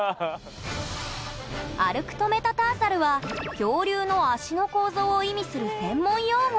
アルクトメタターサルは恐竜の脚の構造を意味する専門用語